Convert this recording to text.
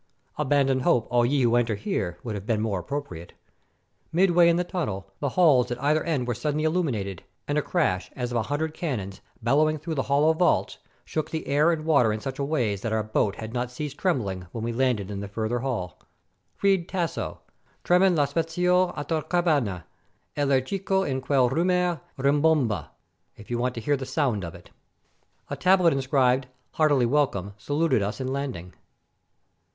"Abandon hope, all ye who enter here," would have been more appropriate. Midway in the tunnel, the halls at either end were suddenly illuminated, and a crash, as of a hun dred cannon, bellowing through the hollow vaults, shook the air and water in such wise that our boat had not ceased trembling when we landed in the farther hall. Read Tasso, —" Treman le spaziose atre caverne, E V aer cieco in quel rumor rimbomba," — if you want to hear the sound of it. A tablet inscribed "Heartily welcome!" saluted us in landing.